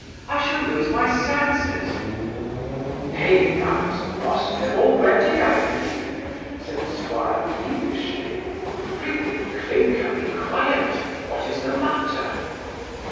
I shall lose my senses' 'Nay, thou hast lost them already, I believe (said the 'squire, peevishly), prithee, Clinker, be quiet What is the matter?